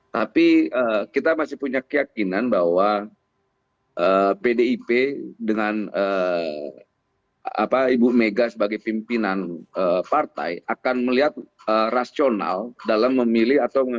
tapi kita masih punya keyakinan bahwa pdip dengan ibu mega sebagai pimpinan partai akan melihat rasional dalam memilih atau